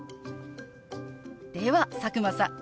では佐久間さん